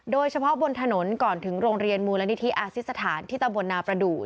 โดยเฉพาะบนถนนก่อนถึงโรงเรียนมูลนิธิอาซิสถานที่ตำบลนาประดูก